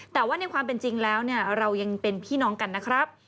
แต่ว่าในความเป็นจริงแล้วเนี่ยเรายังเป็นพี่น้องกันนะครับ